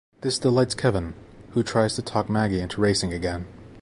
This delights Kevin, who tries to talk Maggie into racing again.